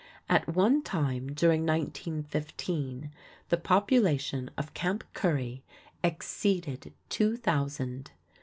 At one time, during 1915, the population of Camp Curry exceeded two thousand.